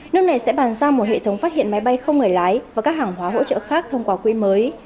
nước này sẽ bàn ra một hệ thống phát hiện máy bay không người lái và các hàng hóa hỗ trợ khác thông qua quỹ mới